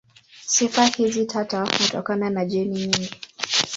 Sifa hizi tata hutokana na jeni nyingi.